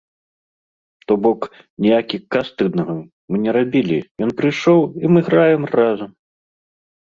То бок, ніякіх кастынгаў мы не рабілі, ён прыйшоў і мы граем разам!